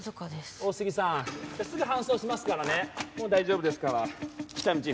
大杉さんすぐ搬送しますからねもう大丈夫ですから喜多見チーフ